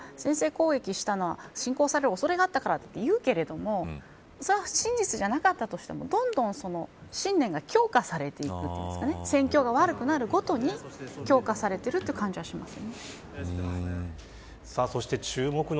そこが自分たちが先制攻撃したのは侵攻される恐れがあったからと言うけれどもそれは真実じゃなかったとしてもどんどん、その信念が強化されていくというか戦況が悪くなるごとに強化されてる感じがします。